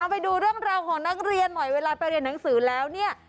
ไปดูเรื่องราวของนักเรียนหน่อยเวลาไปเรียนหนังสือแล้วเนี่ย